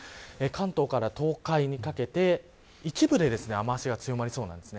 関東から東海にかけて一部で雨脚が強まりそうです。